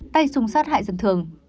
tay súng sát hại dân thường